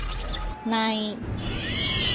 ใน